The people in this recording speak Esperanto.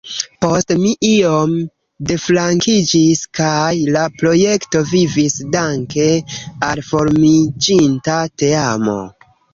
Poste mi iom deflankiĝis, kaj la projekto vivis danke al formiĝinta teamo.